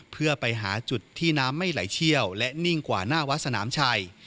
เพื่อไปหาจุดที่น้ำไม่ไหลเชี่ยวและนิ่งกว่าหน้าวัดสนามชัย